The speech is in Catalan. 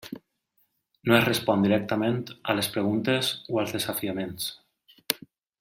No es respon directament a les preguntes o als desafiaments.